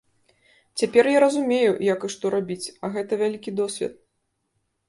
Цяпер я разумею, як і што трэба рабіць, а гэта вялікі досвед.